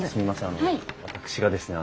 あの私がですね